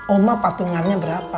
oma patungannya berapa